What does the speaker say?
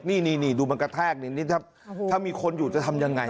นี่ดูมันกระแทกนิดถ้ามีคนอยู่จะทำยังไง